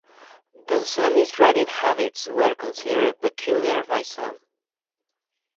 Dunsany's writing habits were considered peculiar by some.